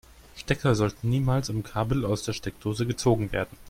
Stecker sollten niemals am Kabel aus der Steckdose gezogen werden.